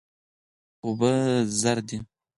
اوبه زر دي.